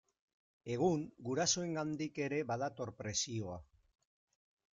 Egun gurasoengandik ere badator presioa.